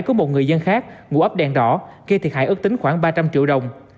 với một người dân khác ngủ ấp đèn đỏ khi thiệt hại ước tính khoảng ba trăm linh triệu đồng